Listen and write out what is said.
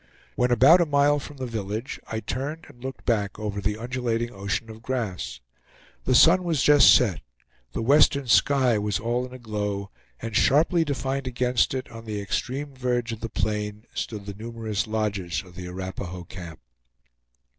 When about a mile from the village I turned and looked back over the undulating ocean of grass. The sun was just set; the western sky was all in a glow, and sharply defined against it, on the extreme verge of the plain, stood the numerous lodges of the Arapahoe camp.